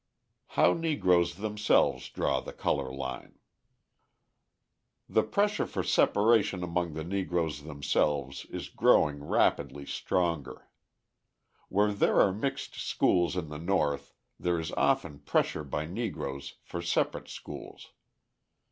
How Negroes Themselves Draw the Colour Line The pressure for separation among the Negroes themselves is growing rapidly stronger. Where there are mixed schools in the North there is often pressure by Negroes for separate schools.